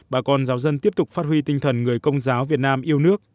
bà con giáo dân tiếp tục phát huy tinh thần người công giáo việt nam yêu nước